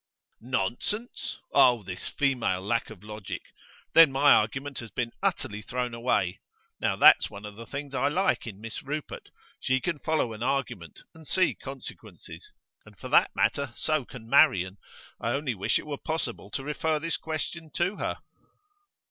'Nonsense? Oh, this female lack of logic! Then my argument has been utterly thrown away. Now that's one of the things I like in Miss Rupert; she can follow an argument and see consequences. And for that matter so can Marian. I only wish it were possible to refer this question to her.